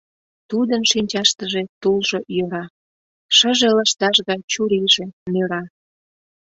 Тудын шинчаштыже тулжо йӧра, шыже лышташ гай чурийже нӧра.